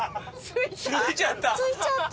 着いちゃった！